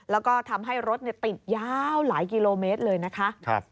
แล้วก็ทำให้รถติดยาวหลายกิโลเมตรเลยนะคะ